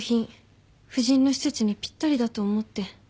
夫人の施設にぴったりだと思って。